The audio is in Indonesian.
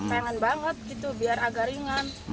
pengen banget gitu biar agak ringan